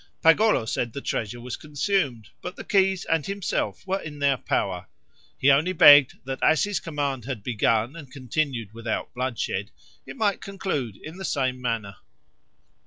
Pagolo said the treasure was consumed, but the keys and himself were in their power; he only begged that as his command had begun and continued without bloodshed, it might conclude in the same manner.